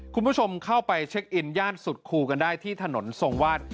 คุณผู้ชมเข้าไปเช็คอินย่านสุดครูกันได้ที่ถนนทรงวาด